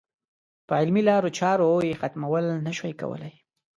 په علمي لارو چارو یې ختمول نه شوای کولای.